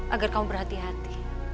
agar kamu berhati hati